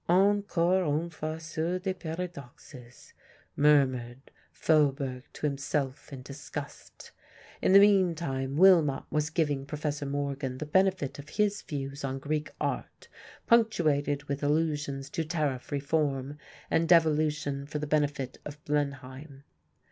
"Encore un faiseur de paradoxes!" murmured Faubourg to himself in disgust. In the meantime Willmott was giving Professor Morgan the benefit of his views on Greek art, punctuated with allusions to Tariff Reform and devolution for the benefit of Blenheim.